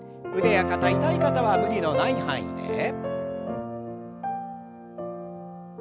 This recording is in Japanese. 腕や肩痛い方は無理のない範囲で。